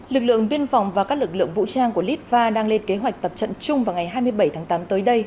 lực lượng biên phòng và các lực lượng vũ trang của litva đang lên kế hoạch tập trận chung vào ngày hai mươi bảy tháng tám tới đây